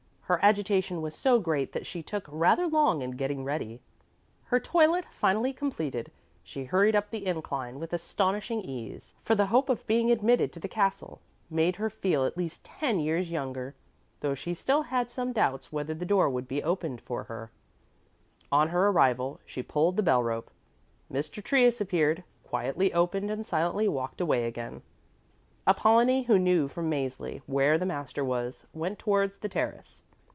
Her agitation was so great that she took rather long in getting ready. Her toilet finally completed, she hurried up the incline with astonishing ease, for the hope of being admitted to the castle made her feel at least ten years younger, though she still had some doubts whether the door would be opened for her; On her arrival she pulled the bell rope. Mr. Trius appeared, quietly opened and silently walked away again. Apollonie, who knew from Mäzli where the master was, went towards the terrace.